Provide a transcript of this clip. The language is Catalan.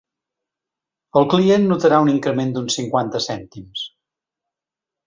El client notarà un increment d’uns cinquanta cèntims.